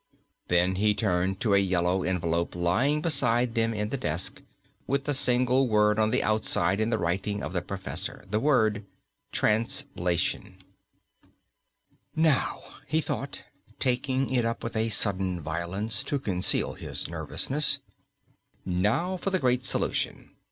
Then he turned to a yellow envelope lying beside them in the desk, with the single word on the outside in the writing of the professor the word Translation. "Now," he thought, taking it up with a sudden violence to conceal his nervousness, "now for the great solution.